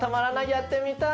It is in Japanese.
やってみたい。